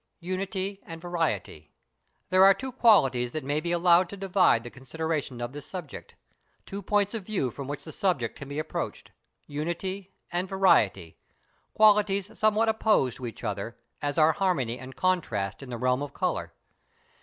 [Sidenote: Unity and Variety.] There are two qualities that may be allowed to divide the consideration of this subject, two points of view from which the subject can be approached: #Unity# and #Variety#, qualities somewhat opposed to each other, as are harmony and contrast in the realm of colour.